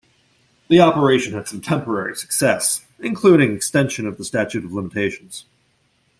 The operation had some temporary success, including extension of the statute of limitations.